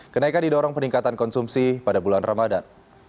kenaikan didorong peningkatan konsumsi pada bulan ramadan